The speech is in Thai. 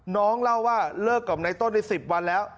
น้องเล่าว่าเลิกกับในต้นได้๑๐วันแล้ว